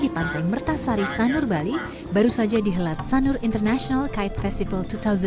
di pantai mertasari sanur bali baru saja dihelat sanur international guide festival dua ribu delapan belas